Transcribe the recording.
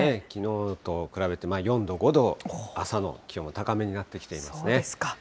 きのうと比べて４度、５度、朝の気温は高めになってきていますね。